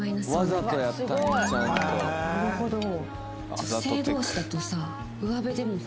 なるほど。